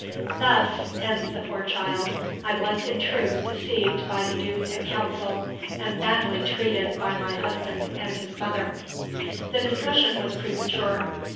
"Thus," ends the poor child, "I was in truth deceived by the Duke and Council, and badly treated by my husband and his mother." The discussion was premature.